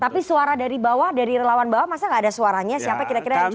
tapi suara dari bawah dari relawan bawah masa gak ada suaranya siapa kira kira